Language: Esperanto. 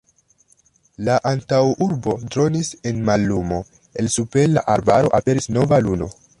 La antaŭurbo dronis en mallumo, el super la arbaro aperis nova luno.